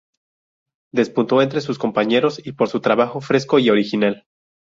Despuntó entre sus compañeros y por su trabajo fresco y original.